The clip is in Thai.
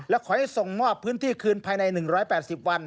และขอให้ส่งมอบพื้นที่คืนภายใน๑๘๐วัน